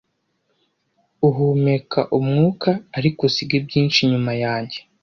Uhumeka umwuka ariko usige byinshi nyuma yanjye,